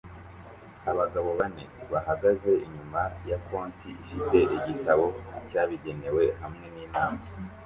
Abagabo bane bahagaze inyuma ya konti ifite igitabo cyabigenewe hamwe ninama